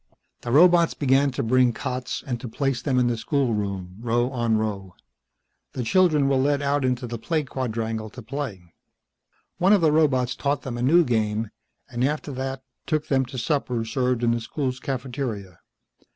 The robots began to bring cots and to place them in the schoolroom, row on row. The children were led out into the play quadrangle to play. One of the robots taught them a new game, and after that took them to supper served in the school's cafeteria.